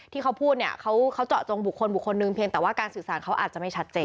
ที่เขาพูดเนี่ยเขาเจาะจงบุคคลบุคคลหนึ่งเพียงแต่ว่าการสื่อสารเขาอาจจะไม่ชัดเจน